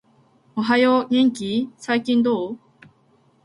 おはよう、元気ー？、最近どう？？